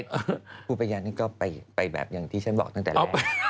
อบุคคล์รับประชาตินี้ก็ไปแบบที่ฉันบอกตั้งแต่แรก